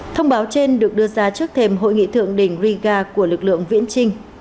thông báo trên được đưa ra trước thềm hội nghị thượng đỉnh riga của lực lượng viễn trinh